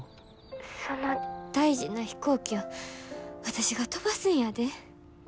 その大事な飛行機を私が飛ばすんやで。